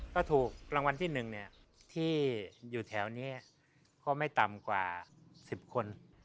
ก็ถูกรางวัลที่๑ที่อยู่แถวนี้ก็ไม่ต่ำกว่า๑๐คน